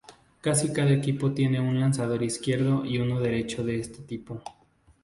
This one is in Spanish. Casi cada equipo tiene un lanzador izquierdo y uno derecho de este tipo.